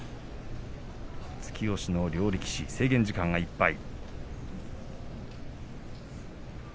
突き押しの両力士制限時間いっぱい。